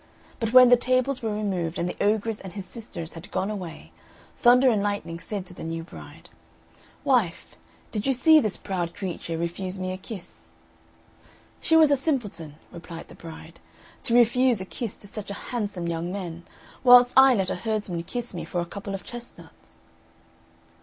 But when the tables were removed, and the ogress and his sisters had gone away, Thunder and Lightning said to the new bride, "Wife, did you see this proud creature refuse me a kiss?" "She was a simpleton," replied the bride, "to refuse a kiss to such a handsome young man, whilst I let a herdsman kiss me for a couple of chestnuts."